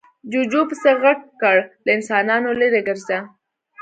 جوجو پسې غږ کړ، له انسانانو ليرې ګرځه.